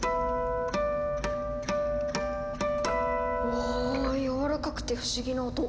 わぁやわらかくて不思議な音。